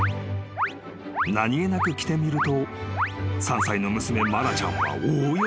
［何げなく着てみると３歳の娘マラちゃんは大喜び］